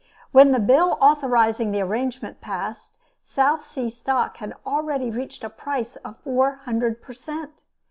When the bill authorizing the arrangement passed, South Sea stock had already reached a price of four hundred per cent.